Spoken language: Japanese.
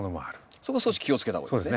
そこ少し気をつけた方がいいですね。